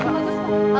atu bagus pak